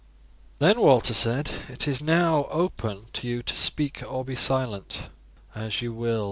"Then," Walter said, "it is now open to you to speak or be silent as you will.